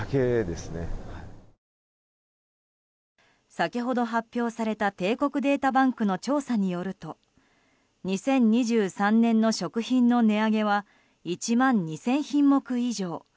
先ほど発表された帝国データバンクの調査によると２０２３年の食品の値上げは１万２０００品目以上。